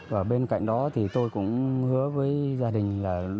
và bên cạnh đó tôi cũng hứa với gia đình